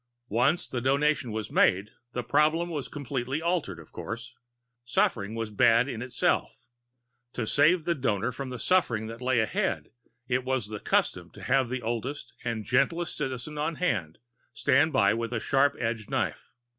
Once the Donation was made, the problem was completely altered, of course. Suffering was bad in itself. To save the Donor from the suffering that lay ahead, it was the custom to have the oldest and gentlest Citizen on hand stand by with a sharp edged knife.